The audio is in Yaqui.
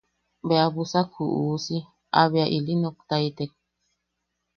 Bea busak ju uusi a bea ili noktaitek.